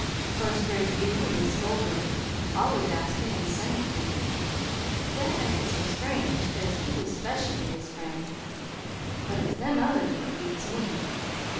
"'Course, there's you an' Miss Holbrook, always askin' an' sendin' things but that ain't so strange, 'cause you was 'specially his friends. But it's them others what beats me.